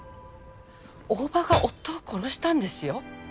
大庭が夫を殺したんですよ